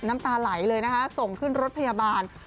น้ำตาไหลเลยนะคะส่งขึ้นรถพยาบาล